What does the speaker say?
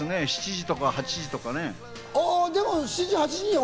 ７時とか８時とか。